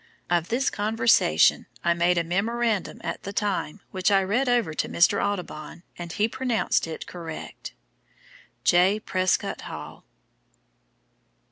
Of this conversation I made a memorandum at the time which I read over to Mr. Audubon and he pronounced it correct. "J. PRESCOTT HALL."